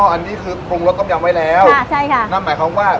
อันนี้คือปรุงรสต้มยำไว้แล้วค่ะใช่ค่ะนั่นหมายความว่า